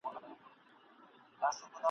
مُلا بیا ویل زه خدای یمه ساتلی !.